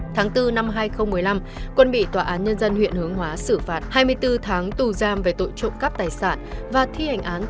tháng bốn năm hai nghìn một mươi năm quân bị tòa án nhân dân huyện hướng hóa xử phạt hai mươi bốn tháng tù giam về tội trộm cắp tài sản và thi hành án